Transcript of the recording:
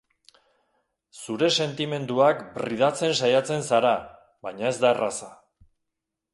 Zure sentimenduak bridatzen saiatzen zara, baina ez da erraza.